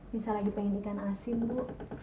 bisa lagi pengen ikan asin bu